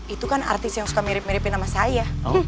itu kan artis yang suka mirip miripin sama saya